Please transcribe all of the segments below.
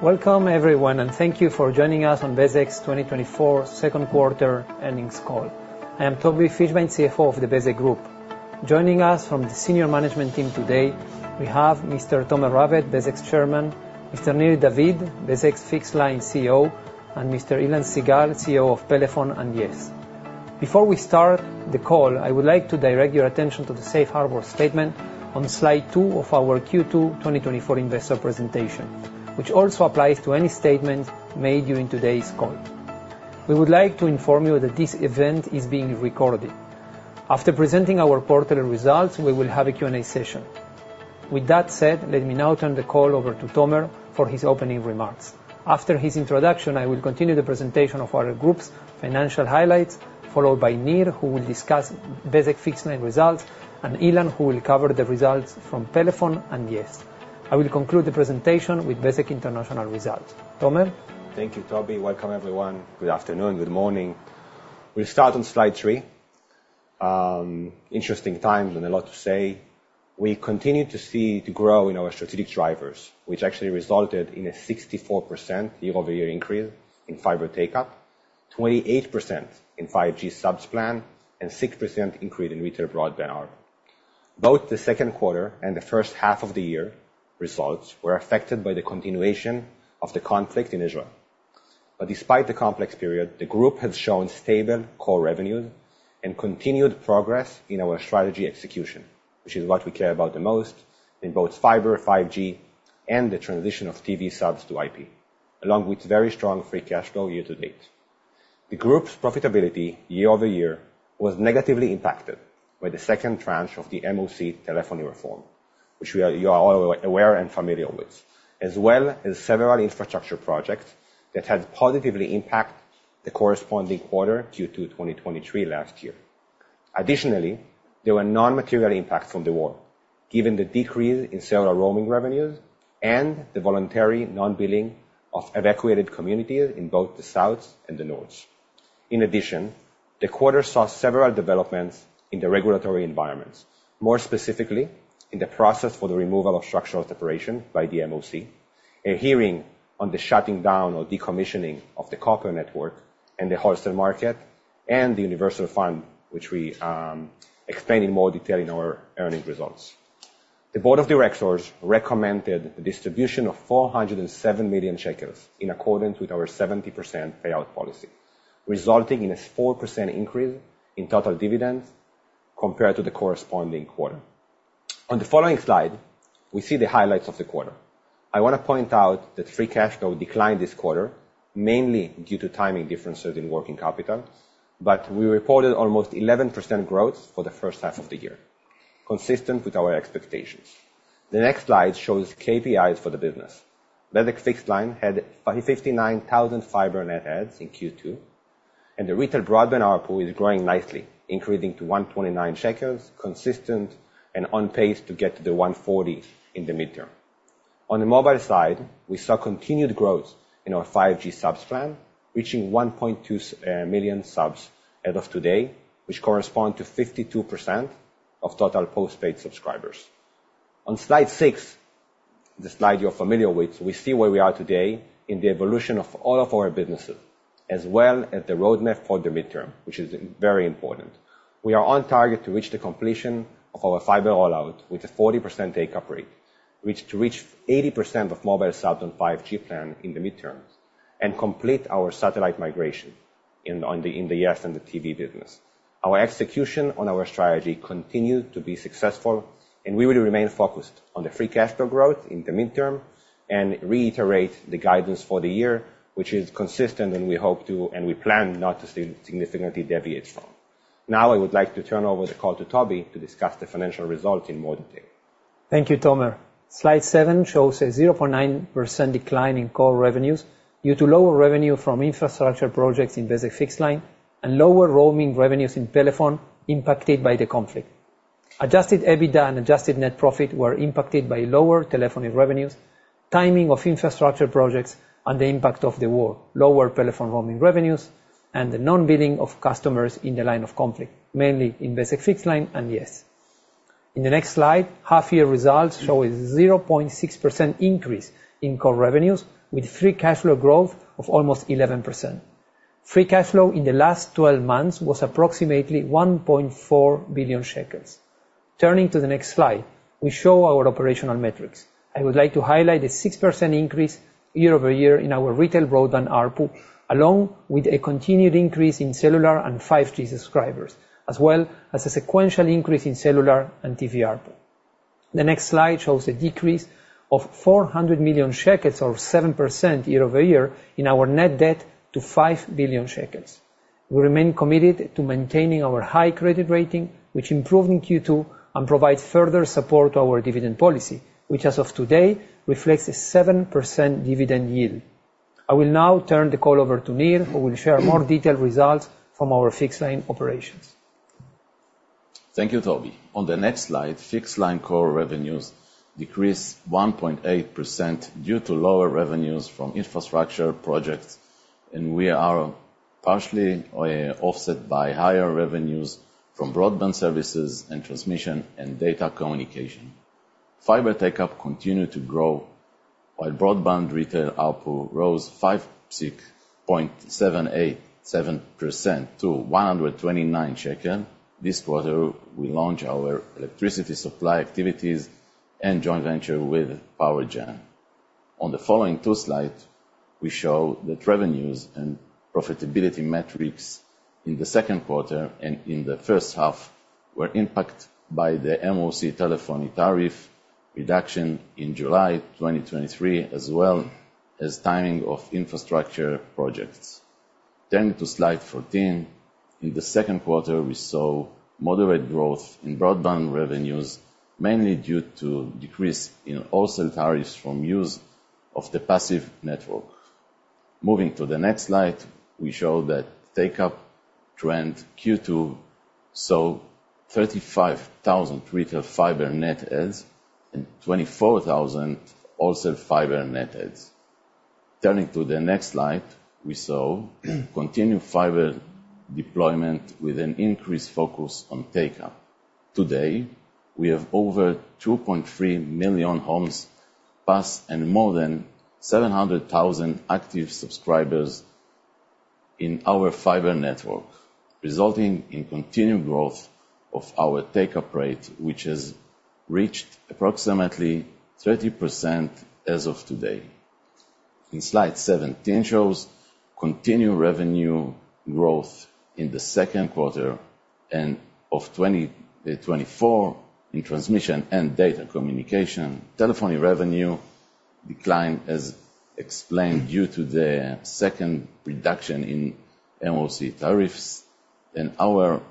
Welcome everyone, and thank you for joining us on Bezeq's 2024 Q2 earnings call. I am Toby Fischman, CFO of the Bezeq Group. Joining us from the senior management team today, we have Mr. Tomer Raved, Bezeq's chairman, Mr. Nir David, Bezeq's Fixed Line CEO, and Mr. Ilan Sigal, CEO of Pelephone and yes. Before we start the call, I would like to direct your attention to the safe harbor statement on slide two of our Q2 2024 investor presentation, which also applies to any statements made during today's call. We would like to inform you that this event is being recorded. After presenting our quarterly results, we will have a Q&A session. With that said, let me now turn the call over to Tomer for his opening remarks. After his introduction, I will continue the presentation of our group's financial highlights, followed by Nir, who will discuss Bezeq Fixed Line results, and Ilan, who will cover the results from Pelephone and yes. I will conclude the presentation with Bezeq International results. Tomer? Thank you, Toby. Welcome, everyone. Good afternoon, good morning. We'll start on slide three. Interesting times and a lot to say. We continue to see the growth in our strategic drivers, which actually resulted in a 64% year-over-year increase in fiber takeup, 28% in 5G subs plan, and 6% increase in retail broadband ARPU. Both the Q2 and the first half of the year results were affected by the continuation of the conflict in Israel. But despite the complex period, the group has shown stable core revenues and continued progress in our strategy execution, which is what we care about the most in both fiber, 5G, and the transition of TV subs to IP, along with very strong free cash flow year to date. The group's profitability year-over-year was negatively impacted by the second tranche of the MOC telephony reform, which you are all aware and familiar with, as well as several infrastructure projects that had positively impacted the corresponding quarter Q2 2023 last year. Additionally, there were non-material impacts from the war, given the decrease in cellular roaming revenues and the voluntary non-billing of evacuated communities in both the South and the North. In addition, the quarter saw several developments in the regulatory environment, more specifically in the process for the removal of structural separation by the MOC, a hearing on the shutting down or decommissioning of the copper network and the wholesale market, and the Universal Fund, which we explain in more detail in our earnings results. The board of directors recommended the distribution of 407 million shekels in accordance with our 70% payout policy, resulting in a 4% increase in total dividends compared to the corresponding quarter. On the following slide, we see the highlights of the quarter. I want to point out that Free Cash Flow declined this quarter, mainly due to timing differences in working capital, but we reported almost 11% growth for the first half of the year, consistent with our expectations. The next slide shows KPIs for the business. Bezeq Fixed Line had 59,000 fiber net adds in Q2, and the retail broadband ARPU is growing nicely, increasing to 129 shekels, consistent and on pace to get to the 140 in the midterm. On the mobile side, we saw continued growth in our 5G subs plan, reaching 1.2 million subs as of today, which correspond to 52% of total postpaid subscribers. On slide six, the slide you're familiar with, we see where we are today in the evolution of all of our businesses, as well as the roadmap for the midterm, which is very important. We are on target to reach the completion of our fiber rollout with a 40% take-up rate, which to reach 80% of mobile sub and 5G plan in the midterms, and complete our satellite migration in the yes and the TV business. Our execution on our strategy continued to be successful, and we will remain focused on the free cash flow growth in the midterm and reiterate the guidance for the year, which is consistent, and we hope to, and we plan not to significantly deviate from. Now, I would like to turn over the call to Toby to discuss the financial results in more detail. Thank you, Tomer. Slide seven shows a 0.9% decline in core revenues due to lower revenue from infrastructure projects in Bezeq Fixed Line and lower roaming revenues in Pelephone, impacted by the conflict. Adjusted EBITDA and adjusted net profit were impacted by lower telephony revenues, timing of infrastructure projects, and the impact of the war, lower Pelephone roaming revenues, and the non-billing of customers in the line of conflict, mainly in Bezeq Fixed Line and yes. In the next slide, half-year results show a 0.6% increase in core revenues, with free cash flow growth of almost 11%. Free cash flow in the last 12 months was approximately 1.4 billion shekels. Turning to the next slide, we show our operational metrics. I would like to highlight a 6% increase year-over-year in our retail broadband ARPU, along with a continued increase in cellular and 5G subscribers, as well as a sequential increase in cellular and TV ARPU. The next slide shows a decrease of 400 million shekels or 7% year-over-year in our net debt to 5 billion shekels. We remain committed to maintaining our high credit rating, which improved in Q2, and provide further support to our dividend policy, which, as of today, reflects a 7% dividend yield. I will now turn the call over to Nir, who will share more detailed results from our fixed line operations. Thank you, Toby. On the next slide, fixed line core revenues decreased 1.8% due to lower revenues from infrastructure projects, and we are partially offset by higher revenues from broadband services and transmission and data communication. Fiber take-up continued to grow, while broadband retail ARPU rose 5.787% to 129 shekel. This quarter, we launched our electricity supply activities and joint venture with PowerGen. On the following two slides, we show that revenues and profitability metrics in the second quarter and in the first half were impacted by the MOC telephony tariff reduction in July 2023, as well as timing of infrastructure projects. Turning to slide 14, in the Q2, we saw moderate growth in broadband revenues, mainly due to decrease in wholesale tariffs from use of the passive network. Moving to the next slide, we show that take-up trend Q2, so 35,000 retail fiber net adds and 24,000 wholesale fiber net adds. Turning to the next slide, we saw continued fiber deployment with an increased focus on take-up. Today, we have over 2.3 million homes, plus and more than 700,000 active subscribers in our fiber network, resulting in continued growth of our take-up rate, which has reached approximately 30% as of today. Slide 17 shows continued revenue growth in the second quarter end of 2024 in transmission and data communication. Telephony revenue decline, as explained, due to the second reduction in MOC tariffs, and our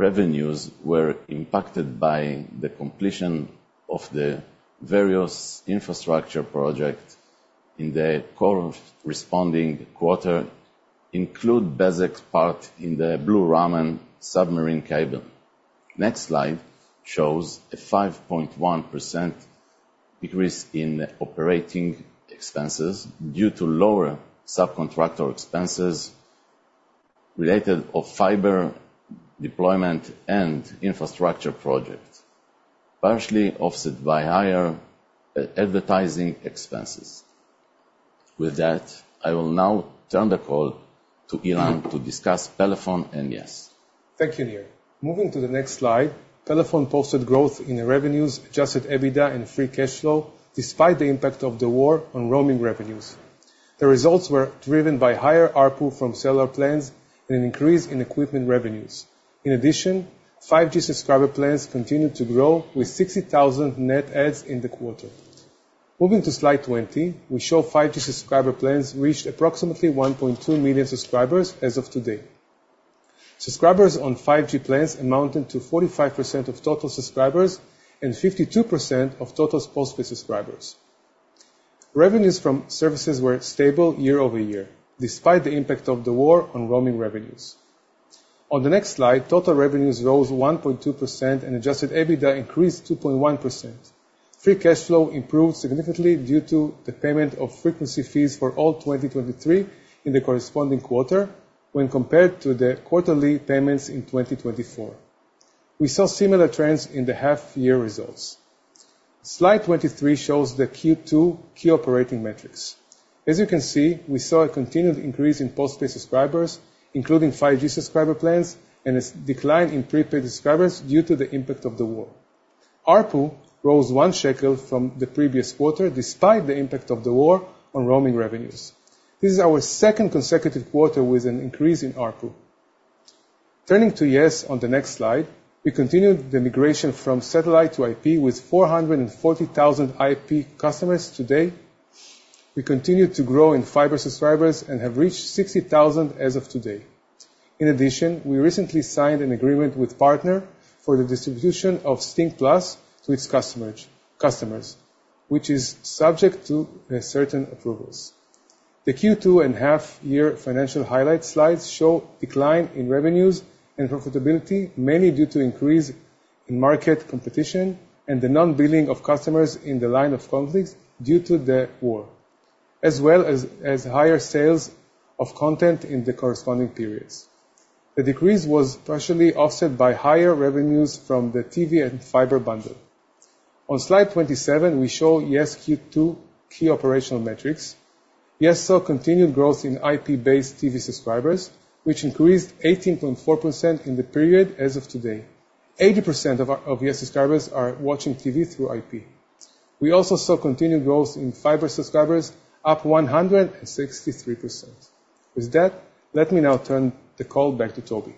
revenues were impacted by the completion of the various infrastructure project in the corresponding quarter, include Bezeq's part in the Blue-Raman submarine cable. Next slide shows a 5.1% increase in operating expenses due to lower subcontractor expenses related to fiber deployment and infrastructure projects, partially offset by higher advertising expenses. With that, I will now turn the call to Ilan to discuss Pelephone and yes. Thank you, Nir. Moving to the next slide, Pelephone posted growth in revenues, Adjusted EBITDA and Free Cash Flow, despite the impact of the war on roaming revenues. The results were driven by higher ARPU from cellular plans and an increase in equipment revenues. In addition, 5G subscriber plans continued to grow, with 60,000 net adds in the quarter. Moving to slide 20, we show 5G subscriber plans reached approximately 1.2 million subscribers as of today. Subscribers on 5G plans amounted to 45% of total subscribers and 52% of total postpaid subscribers. Revenues from services were stable year-over-year, despite the impact of the war on roaming revenues. On the next slide, total revenues rose 1.2% and Adjusted EBITDA increased 2.1%. Free Cash Flow improved significantly due to the payment of frequency fees for all 2023 in the corresponding quarter, when compared to the quarterly payments in 2024. We saw similar trends in the half year results. Slide 23 shows the Q2 key operating metrics. As you can see, we saw a continued increase in postpaid subscribers, including 5G subscriber plans, and a decline in prepaid subscribers due to the impact of the war. ARPU rose 1 shekel from the previous quarter, despite the impact of the war on roaming revenues. This is our second consecutive quarter with an increase in ARPU. Turning to yes, on the next slide, we continued the migration from satellite to IP, with 440,000 IP customers today. We continue to grow in fiber subscribers and have reached 60,000 as of today. In addition, we recently signed an agreement with Partner for the distribution of STING+ to its customers, customers, which is subject to certain approvals. The Q2 and half year financial highlight slides show decline in revenues and profitability, mainly due to increase in market competition and the non-billing of customers in the line of conflicts due to the war, as well as higher sales of content in the corresponding periods. The decrease was partially offset by higher revenues from the TV and fiber bundle. On slide 27, we show yes Q2 key operational metrics. yes saw continued growth in IP-based TV subscribers, which increased 18.4% in the period as of today. 80% of our, of yes subscribers are watching TV through IP. We also saw continued growth in fiber subscribers, up 163%. With that, let me now turn the call back to Toby.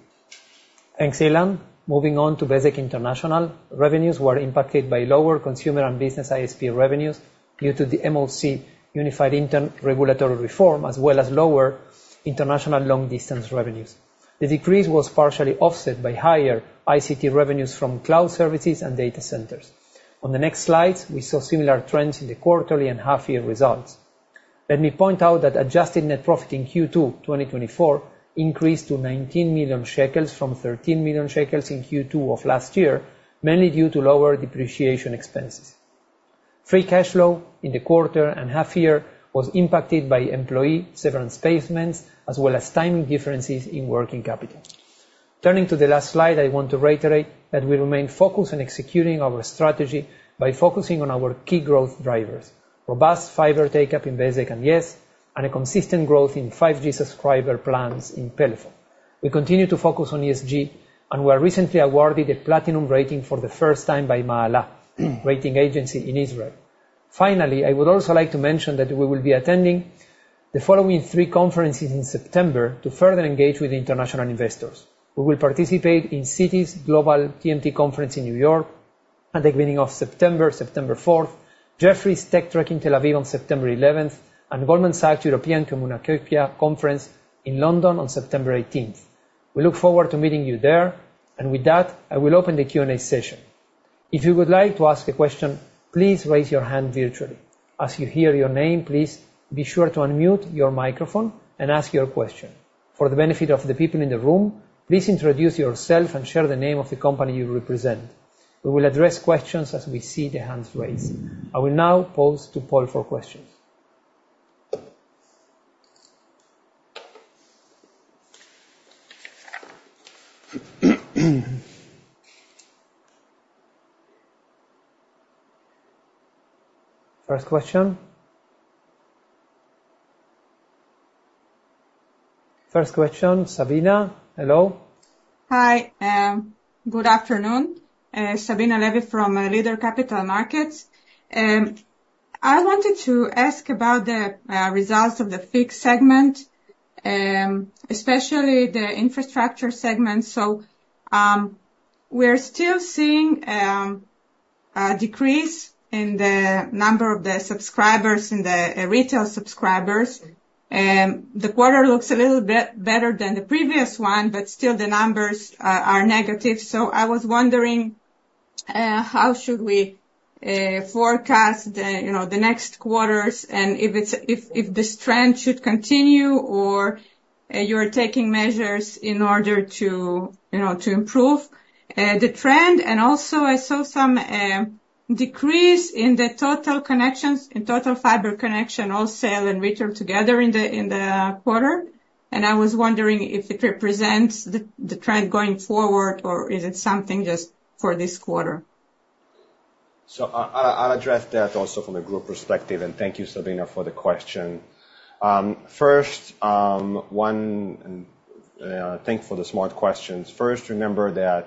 Thanks, Ilan. Moving on to Bezeq International. Revenues were impacted by lower consumer and business ISP revenues due to the MOC unified internet regulatory reform, as well as lower international long-distance revenues. The decrease was partially offset by higher ICT revenues from cloud services and data centers. On the next slides, we saw similar trends in the quarterly and half-year results. Let me point out that adjusted net profit in Q2 2024 increased to 19 million shekels from 13 million shekels in Q2 of last year, mainly due to lower depreciation expenses. Free cash flow in the quarter and half year was impacted by employee severance payments, as well as timing differences in working capital. Turning to the last slide, I want to reiterate that we remain focused on executing our strategy by focusing on our key growth drivers: robust fiber take-up in Bezeq and Yes, and a consistent growth in 5G subscriber plans in Pelephone. We continue to focus on ESG, and were recently awarded a platinum rating for the first time by MaalaRating Agency in Israel. Finally, I would also like to mention that we will be attending the following three conferences in September to further engage with international investors. We will participate in Citi's Global TMT Conference in New York at the beginning of September, September 4, Jefferies Tech Trek in Tel Aviv on September 11, and Goldman Sachs European Communications Conference in London on September 18. We look forward to meeting you there, and with that, I will open the Q&A session. If you would like to ask a question, please raise your hand virtually. As you hear your name, please be sure to unmute your microphone and ask your question. For the benefit of the people in the room, please introduce yourself and share the name of the company you represent. We will address questions as we see the hands raised. I will now pause to poll for questions. First question? First question, Sabina. Hello. Hi, good afternoon, Sabina Levy from Leader Capital Markets. I wanted to ask about the results of the fixed segment, especially the infrastructure segment. So, we're still seeing a decrease in the number of subscribers, in the retail subscribers. The quarter looks a little bit better than the previous one, but still the numbers are negative. So I was wondering how should we forecast the, you know, the next quarters, and if this trend should continue, or you're taking measures in order to, you know, to improve the trend? And also, I saw some decrease in the total connections, in total fiber connection, wholesale and retail together in the quarter, and I was wondering if it represents the trend going forward, or is it something just for this quarter? So, I'll address that also from a group perspective, and thank you, Sabina, for the question. First, thanks for the smart questions. First, remember that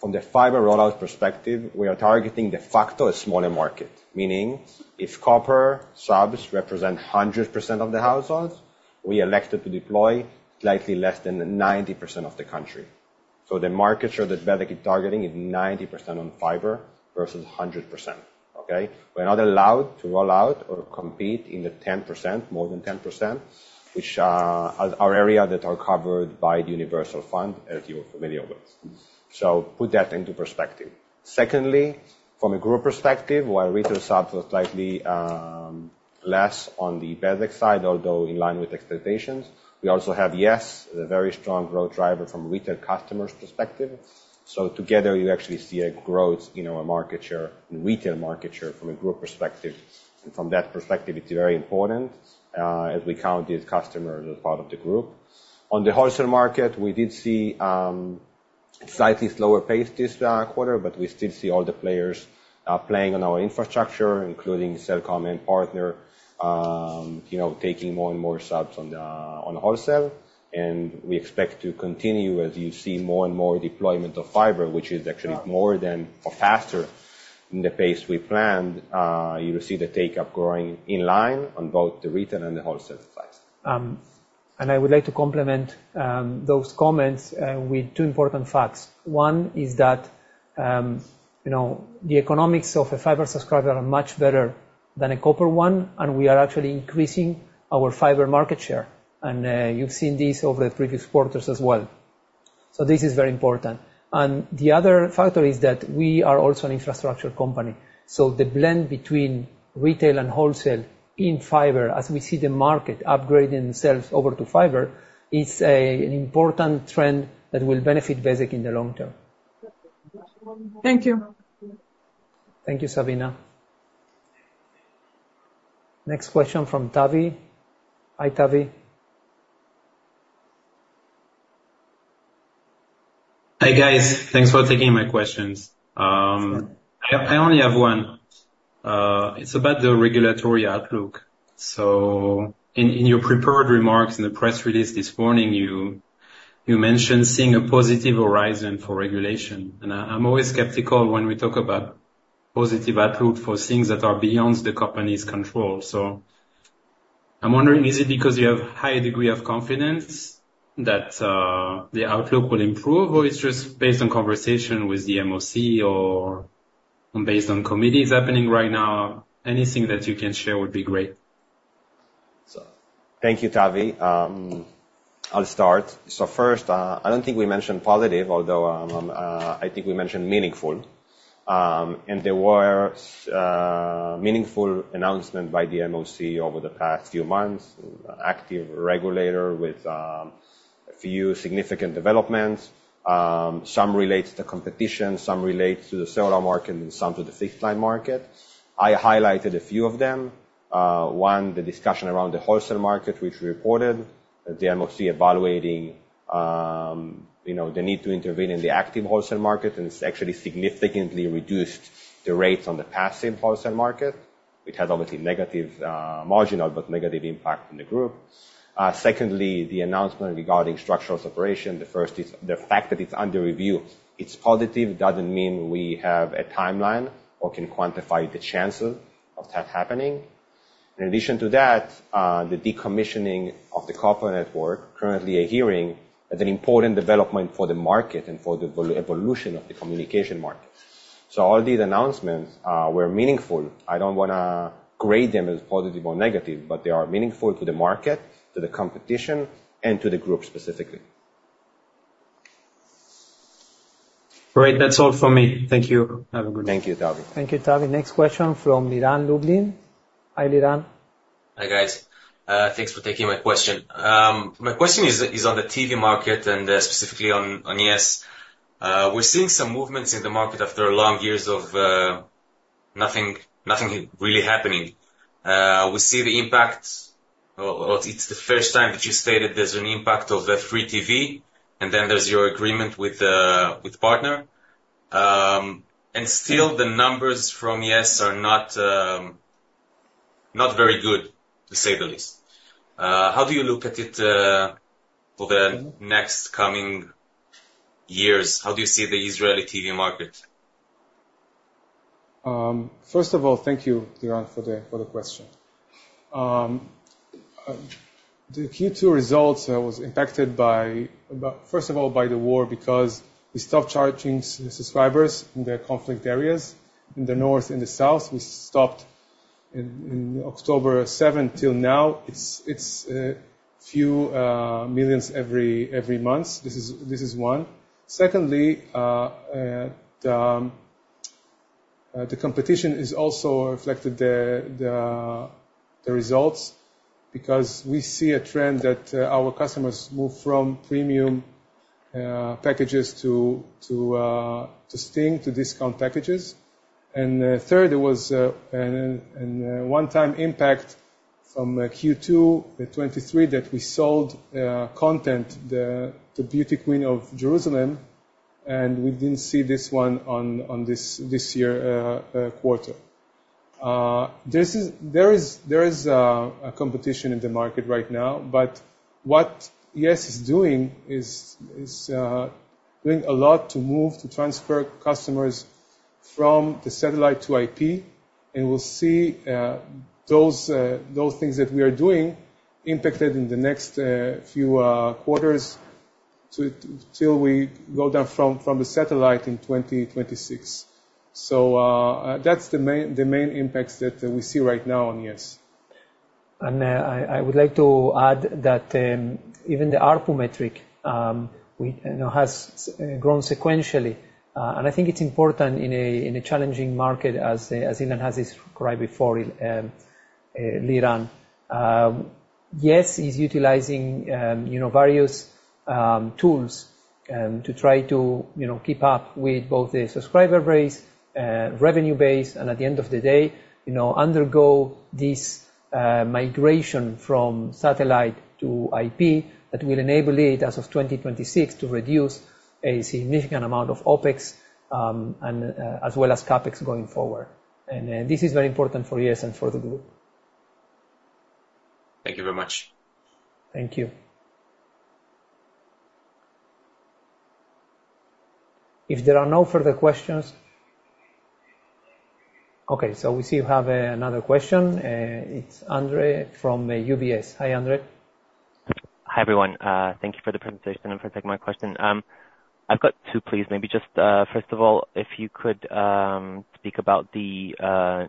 from the fiber rollout perspective, we are targeting de facto a smaller market, meaning if copper subs represent 100% of the households, we elected to deploy slightly less than 90% of the country. So the market share that Bezeq targeting is 90% on fiber versus 100%, okay? We're not allowed to roll out or compete in the 10%, more than 10%, which are areas that are covered by the Universal Fund, as you're familiar with. So put that into perspective. Secondly, from a group perspective, while retail subs was slightly less on the Bezeq side, although in line with expectations, we also have yes, a very strong growth driver from a retail customers perspective. So together, you actually see a growth in our market share, in retail market share from a group perspective. And from that perspective, it's very important, as we count these customers as part of the group. On the wholesale market, we did see slightly slower pace this quarter, but we still see all the players playing on our infrastructure, including Cellcom and Partner, you know, taking more and more subs on the on wholesale. And we expect to continue, as you see more and more deployment of fiber, which is actually more than or faster than the pace we planned. You will see the take-up growing in line on both the retail and the wholesale side. And I would like to complement those comments with two important facts. One is that, you know, the economics of a fiber subscriber are much better than a copper one, and we are actually increasing our fiber market share, and you've seen this over the previous quarters as well. So this is very important. And the other factor is that we are also an infrastructure company, so the blend between retail and wholesale in fiber, as we see the market upgrading itself over to fiber, is an important trend that will benefit Bezeq in the long term. Thank you. Thank you, Sabina. Next question from Tavy. Hi, Tavy. Hi, guys. Thanks for taking my questions. I, I only have one. It's about the regulatory outlook. So in, in your prepared remarks in the press release this morning, you, you mentioned seeing a positive horizon for regulation. And I, I'm always skeptical when we talk about positive outlook for things that are beyond the company's control. So I'm wondering, is it because you have high degree of confidence that the outlook will improve, or it's just based on conversation with the MOC, or based on committees happening right now? Anything that you can share would be great. So thank you, Tavy. I'll start. So first, I don't think we mentioned positive, although, I think we mentioned meaningful. And there were meaningful announcement by the MOC over the past few months, active regulator with a few significant developments. Some relate to the competition, some relate to the wholesale market, and some to the fixed line market. I highlighted a few of them. One, the discussion around the wholesale market, which we reported, the MOC evaluating, you know, the need to intervene in the active wholesale market, and it's actually significantly reduced the rates on the passive wholesale market. It has obviously negative, marginal, but negative impact on the group. Secondly, the announcement regarding structural separation. The first is the fact that it's under review. It's positive, doesn't mean we have a timeline or can quantify the chances of that happening. In addition to that, the decommissioning of the Copper Network, currently adhering, is an important development for the market and for the evolution of the communication market. So all these announcements were meaningful. I don't wanna grade them as positive or negative, but they are meaningful to the market, to the competition, and to the group, specifically. Great. That's all for me. Thank you. Have a good day. Thank you, Tavy. Thank you, Tavy. Next question from Liran Lublin. Hi, Liran. Hi, guys. Thanks for taking my question. My question is on the TV market and specifically on YES. We're seeing some movements in the market after long years of nothing really happening. We see the impact, or it's the first time that you stated there's an impact of the free TV, and then there's your agreement with Partner. And still, the numbers from YES are not very good, to say the least. How do you look at it for the next coming years? How do you see the Israeli TV market? First of all, thank you, Liran, for the question. The Q2 results was impacted by about. First of all, by the war, because we stopped charging the subscribers in the conflict areas. In the north, in the south, we stopped in October seventh till now. It's a few million every month. This is one. Second, the competition is also reflected in the results, because we see a trend that our customers move from premium packages to STING+ to discount packages. And third, there was a one-time impact from Q2 2023, that we sold content, the Beauty Queen of Jerusalem, and we didn't see this one in this year's quarter. There is a competition in the market right now, but what YES is doing is doing a lot to move, to transfer customers from the satellite to IP, and we'll see those things that we are doing impacted in the next few quarters till we go down from the satellite in 2026. So, that's the main impacts that we see right now on YES. I would like to add that, even the ARPU metric, we, you know, has grown sequentially. I think it's important in a challenging market, as Liran has described before, Liran. yes is utilizing, you know, various tools to try to, you know, keep up with both the subscriber base, revenue base, and at the end of the day, you know, undergo this migration from satellite to IP that will enable it, as of 2026, to reduce a significant amount of OpEx, and as well as CapEx going forward. This is very important for yes and for the group. Thank you very much. Thank you. If there are no further questions. Okay, so we see you have another question. It's Ondrej from UBS. Hi, Ondrej. Hi, everyone. Thank you for the presentation and for taking my question. I've got two, please. Maybe just first of all, if you could speak about the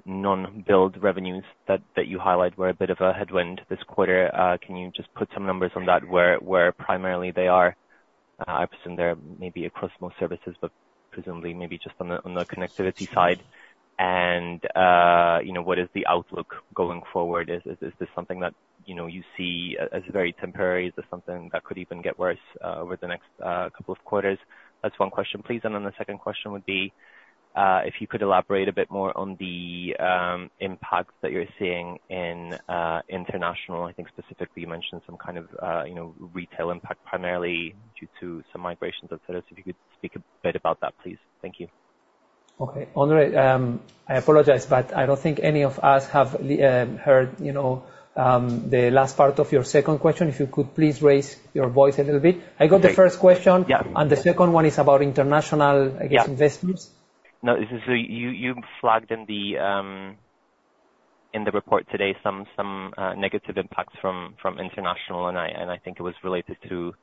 non-billed revenues that you highlighted were a bit of a headwind this quarter. Can you just put some numbers on that, where primarily they are? I presume they're maybe across more services, but presumably maybe just on the connectivity side. And you know, what is the outlook going forward? Is this something that you know you see as very temporary, or is this something that could even get worse over the next couple of quarters? That's one question, please. And then the second question would be, if you could elaborate a bit more on the impacts that you're seeing in international. I think specifically, you mentioned some kind of, you know, retail impact, primarily due to some migrations of sellers. If you could speak a bit about that, please. Thank you. Okay, Ondrej, I apologize, but I don't think any of us have heard, you know, the last part of your second question. If you could please raise your voice a little bit. Okay. I got the first question. Yeah. And the second one is about international- Yeah. I guess, investments. No, this is you. You flagged in the report today some negative impacts from international, and I think it was related to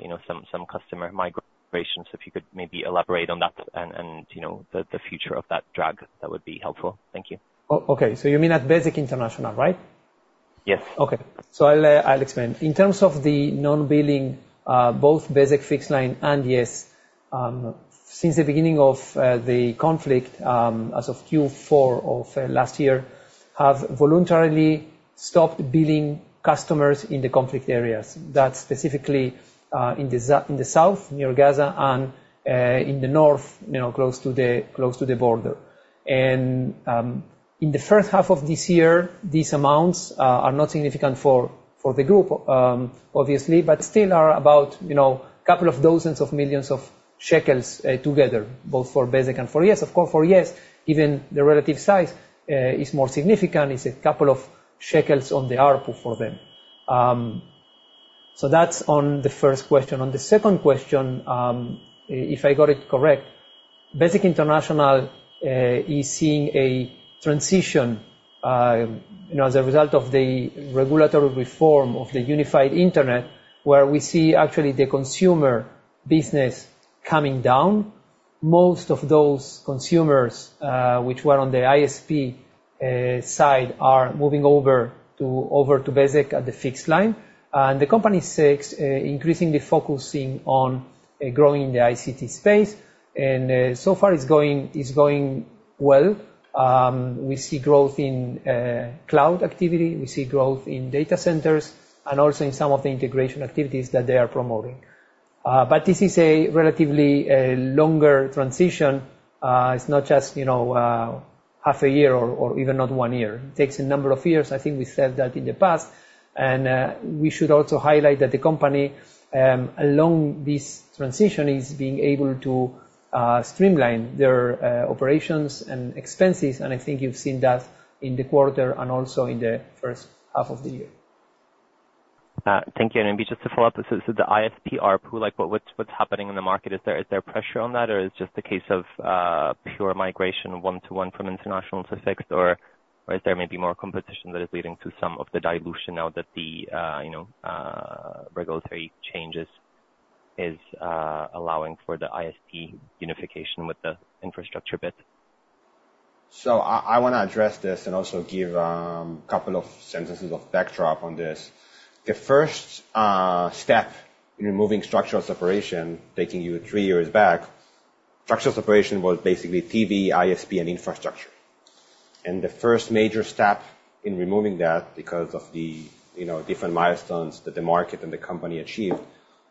you know some customer migrations. So if you could maybe elaborate on that and you know the future of that drag, that would be helpful. Thank you. Okay. So you mean at Bezeq International, right? Yes. Okay. So I'll explain. In terms of the non-billing, both Bezeq Fixed Line and yes, since the beginning of the conflict, as of Q4 of last year, have voluntarily stopped billing customers in the conflict areas. That's specifically in the south, near Gaza and in the north, you know, close to the border. In the first half of this year, these amounts are not significant for the group, obviously, but still are about a couple dozen million ILS, together, both for Bezeq and for yes. Of course, for yes, even the relative size is more significant. It's a couple ILS on the ARPU for them. So that's on the first question. On the second question, if I got it correct, Bezeq International is seeing a transition, you know, as a result of the regulatory reform of the unified Internet, where we see actually the consumer business coming down. Most of those consumers, which were on the ISP side, are moving over to Bezeq at the fixed line. And the company seeks increasingly focusing on growing the ICT space, and so far it's going, it's going well. We see growth in cloud activity, we see growth in data centers, and also in some of the integration activities that they are promoting. But this is a relatively a longer transition. It's not just, you know, half a year or even not one year. It takes a number of years. I think we said that in the past, and we should also highlight that the company, along this transition, is being able to streamline their operations and expenses, and I think you've seen that in the quarter and also in the first half of the year. Thank you. And just to follow up, so the ISP ARPU, like, what's happening in the market? Is there pressure on that, or it's just a case of pure migration, one-to-one from international to fixed? Or is there maybe more competition that is leading to some of the dilution now that the, you know, regulatory changes is allowing for the ISP unification with the infrastructure bit? So I wanna address this and also give couple of sentences of backdrop on this. The first step in removing structural separation, taking you three years back, structural separation was basically TV, ISP, and infrastructure. And the first major step in removing that, because of the, you know, different milestones that the market and the company achieved,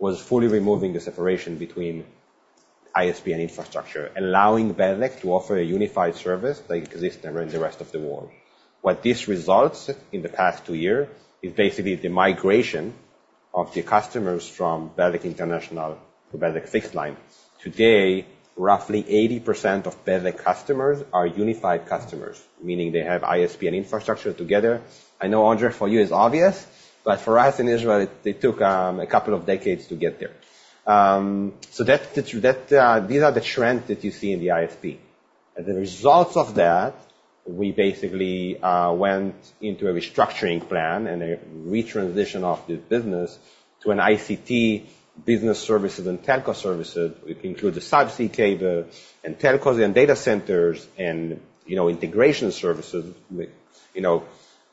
was fully removing the separation between ISP and infrastructure, allowing Bezeq to offer a unified service that exist in the rest of the world. What this results in the past two years, is basically the migration of the customers from Bezeq International to Bezeq Fixed Line. Today, roughly 80% of Bezeq customers are unified customers, meaning they have ISP and infrastructure together. I know, Ondrej, for you, it's obvious, but for us in Israel, it took a couple of decades to get there. So these are the trends that you see in the ISP. The results of that, we basically went into a restructuring plan and a retransition of the business to an ICT business services and telco services, which include the subsea cable and telco and data centers and, you know, integration services. With, you know,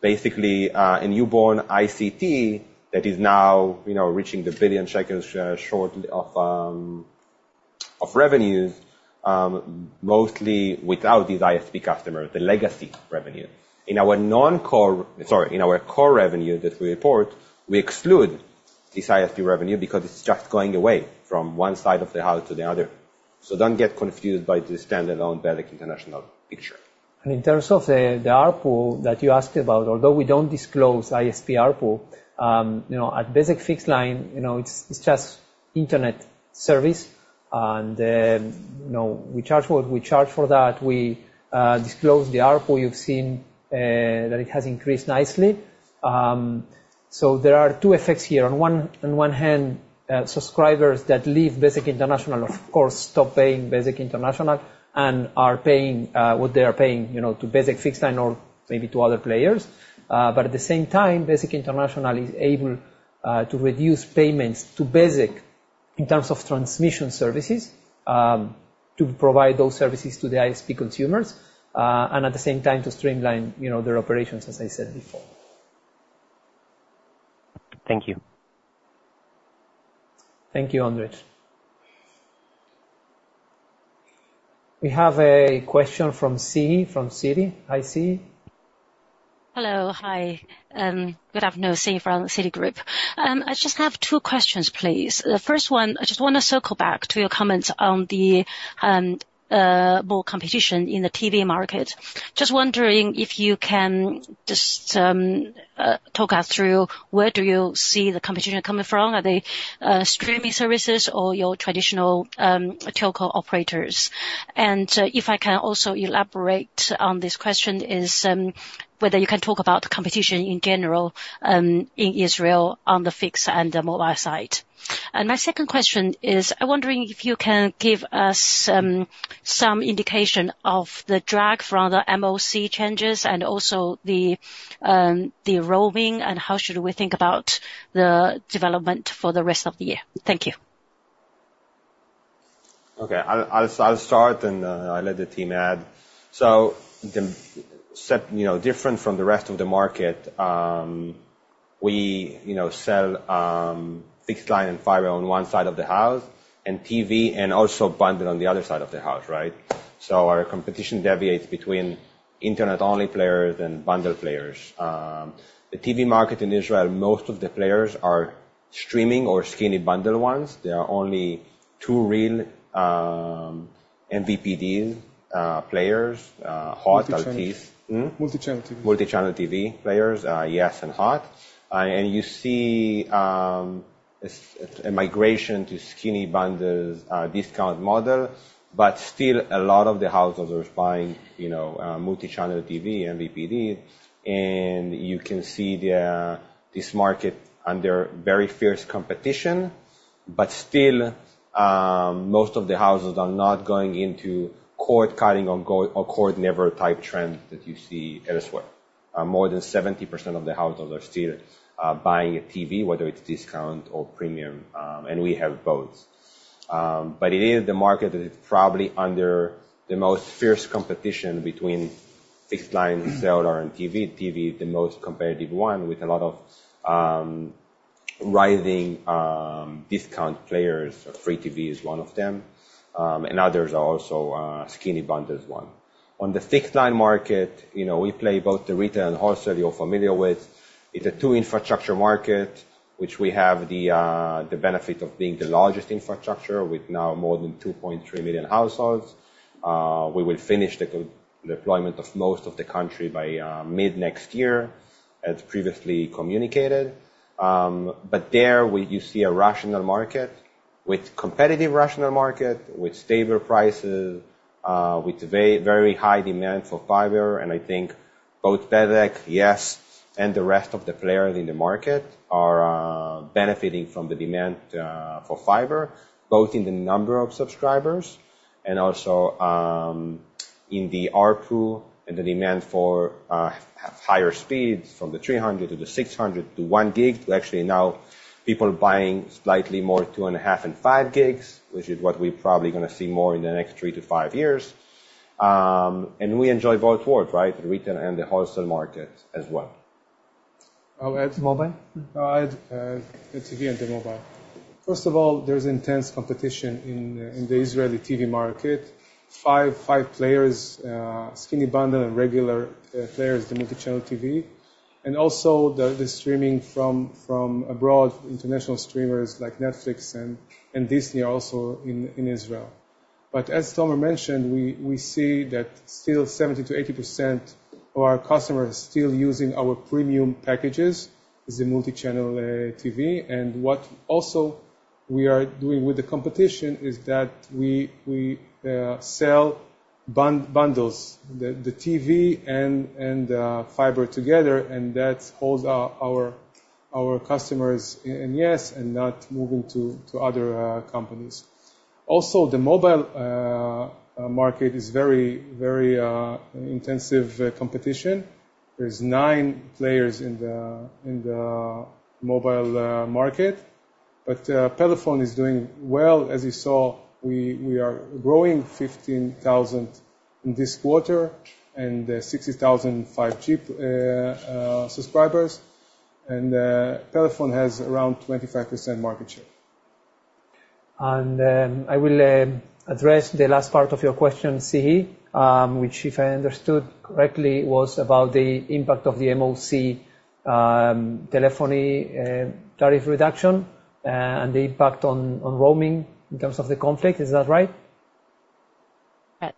basically, a newborn ICT that is now, you know, reaching 1 billion shekels short of revenues, mostly without these ISP customers, the legacy revenue. In our core revenue that we report, we exclude this ISP revenue because it's just going away from one side of the house to the other. So don't get confused by the standalone Bezeq International picture. In terms of the ARPU that you asked about, although we don't disclose ISP ARPU, you know, at Bezeq Fixed Line, you know, it's just internet service, and, you know, we charge what we charge for that. We disclose the ARPU. You've seen that it has increased nicely. So there are two effects here. On one hand, subscribers that leave Bezeq International, of course, stop paying Bezeq International and are paying what they are paying, you know, to Bezeq Fixed Line or maybe to other players. But at the same time, Bezeq International is able to reduce payments to Bezeq in terms of transmission services to provide those services to the ISP consumers, and at the same time, to streamline, you know, their operations, as I said before. Thank you. Thank you, Ondrej. We have a question from Si, from Citi. Hi, Si. Hello. Hi, good afternoon. Si from Citi. I just have two questions, please. The first one, I just wanna circle back to your comments on the more competition in the TV market. Just wondering if you can just talk us through where do you see the competition coming from? Are they streaming services or your traditional telco operators? And if I can also elaborate on this question, is whether you can talk about the competition in general in Israel, on the fixed and the mobile side. And my second question is, I'm wondering if you can give us some indication of the drag from the MOC changes and also the roaming, and how should we think about the development for the rest of the year? Thank you. Okay, I'll start, and I'll let the team add. So the setup, you know, different from the rest of the market, we, you know, sell fixed line and fiber on one side of the house, and TV, and also bundled on the other side of the house, right? So our competition deviates between internet only players and bundle players. The TV market in Israel, most of the players are streaming or skinny bundle ones. There are only two real, MVPD, players, Hot- Multichannel. Hmm? Multichannel TV. Multichannel TV players, yes and Hot. And you see, a migration to skinny bundles, discount model, but still a lot of the households are buying, you know, multichannel TV, MVPD. And you can see the, this market under very fierce competition, but still, most of the households are not going into cord cutting or, or cord never type trend that you see elsewhere. More than 70% of the households are still, buying a TV, whether it's discount or premium, and we have both. But it is the market that is probably under the most fierce competition between fixed line, cellular, and TV. TV, the most competitive one, with a lot of, rising, discount players. Free TV is one of them, and others are also, skinny bundles one. On the fixed line market, you know, we play both the retail and wholesale you're familiar with. It's a two infrastructure market, which we have the benefit of being the largest infrastructure, with now more than 2.3 million households. We will finish the co-deployment of most of the country by mid-next year, as previously communicated. But there you see a rational market, with competitive rational market, with stable prices, with very, very high demand for fiber. And I think both Bezeq, Yes, and the rest of the players in the market are benefiting from the demand for fiber, both in the number of subscribers and also in the ARPU and the demand for higher speeds from 300 to 600 to 1 gig. To actually now, people buying slightly more, 2.5 and 5 gigs, which is what we're probably gonna see more in the next three to five years. We enjoy both worlds, right, the retail and the wholesale market as well. I'll add mobile? I'd the TV and the mobile. First of all, there's intense competition in the Israeli TV market. Five players, skinny bundle and regular players, the multichannel TV, and also the streaming from abroad, international streamers like Netflix and Disney also in Israel. But as Tomer mentioned, we see that still 70%-80% of our customers are still using our premium packages as a multichannel TV. And what also we are doing with the competition is that we sell bundles, the TV and fiber together, and that holds our customers in Yes and not moving to other companies. Also, the mobile market is very intensive competition. There's nine players in the mobile market, but Pelephone is doing well. As you saw, we are growing 15,000 in this quarter, and 60,000 postpaid subscribers, and Pelephone has around 25% market share. I will address the last part of your question, Si, which, if I understood correctly, was about the impact of the MOC telephony tariff reduction and the impact on roaming in terms of the conflict. Is that right? Yes.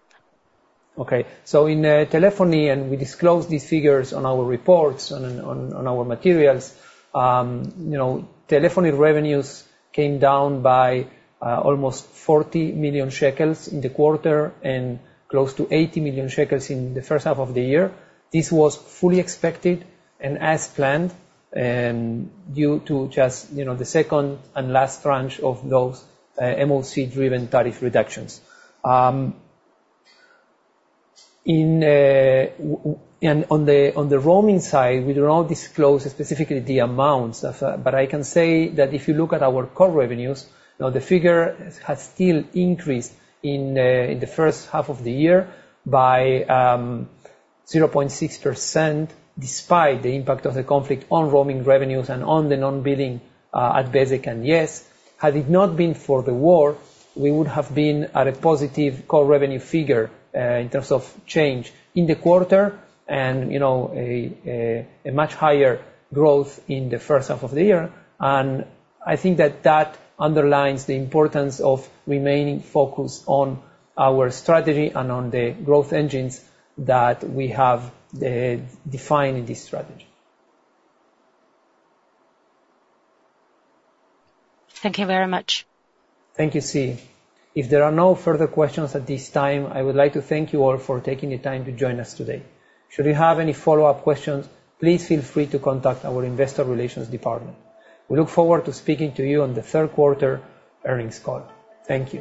Okay. So in telephony, and we disclose these figures on our reports, on our materials. You know, telephony revenues came down by almost 40 million shekels in the quarter and close to 80 million shekels in the first half of the year. This was fully expected and as planned, due to just, you know, the second and last tranche of those MOC-driven tariff reductions. In and on the roaming side, we do not disclose specifically the amounts of. But I can say that if you look at our core revenues, you know, the figure has still increased in the first half of the year by 0.6%, despite the impact of the conflict on roaming revenues and on the non-billing at Bezeq and yes. Had it not been for the war, we would have been at a positive core revenue figure, in terms of change in the quarter and, you know, a much higher growth in the first half of the year. And I think that that underlines the importance of remaining focused on our strategy and on the growth engines that we have, defined in this strategy. Thank you very much. Thank you, Si. If there are no further questions at this time, I would like to thank you all for taking the time to join us today. Should you have any follow-up questions, please feel free to contact our investor relations department. We look forward to speaking to you on the third quarter earnings call. Thank you.